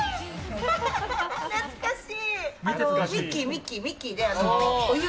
懐かしい！